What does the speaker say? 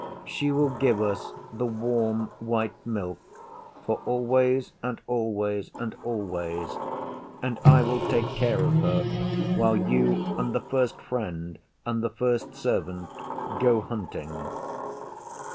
She will give us the warm white milk for always and always and always, and I will take care of her while you and the First Friend and the First Servant go hunting.